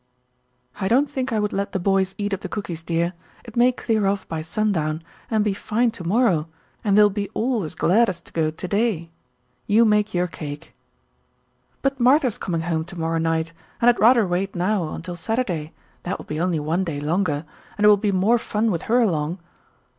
"I don't think I would let the boys eat up the cookies, dear; it may clear off by sundown, and be fine to morrow, and they'll be all as glad as to go to day. You make your cake." "But Martha's coming home to morrow night, and I'd rather wait now until Saturday; that will be only one day longer, and it will be more fun with her along."